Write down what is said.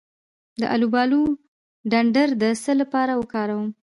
د الوبالو ډنډر د څه لپاره وکاروم؟